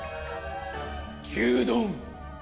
牛丼。